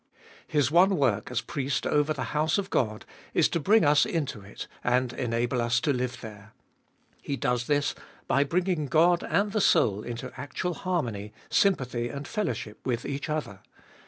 His one work as Priest over the house of God is to bring us into it, and enable us to live there. He does this by bringing God and the soul into actual harmony, sympathy, and fellowship with each other.